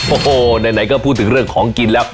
โอ้โหไหนก็พูดถึงเรื่องของกินแล้ว